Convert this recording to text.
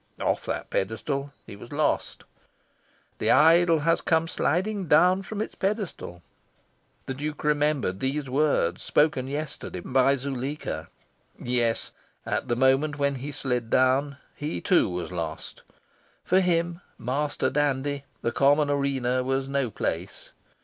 Off that pedestal he was lost.... "The idol has come sliding down from its pedestal" the Duke remembered these words spoken yesterday by Zuleika. Yes, at the moment when he slid down, he, too, was lost. For him, master dandy, the common arena was no place.